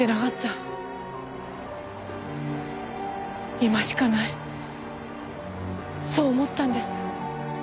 今しかないそう思ったんです。